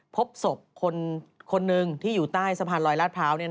พบศพคนหนึ่งที่อยู่ใต้สะพานลอยลาดพร้าว